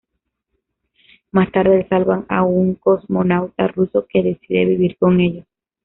Más tarde, salvan a un cosmonauta ruso que decide vivir con ellos.